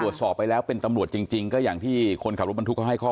ตรวจสอบไปแล้วเป็นตำรวจจริงก็อย่างที่คนขับรถบรรทุกเขาให้ข้อ